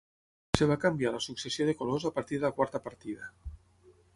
Es va canviar la successió de colors a partir de la quarta partida.